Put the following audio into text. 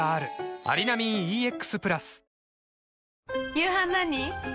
夕飯何？